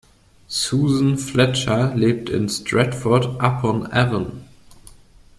Susan Fletcher lebt in Stratford-upon-Avon